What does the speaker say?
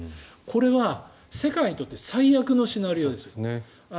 これは世界にとって最悪のシナリオです。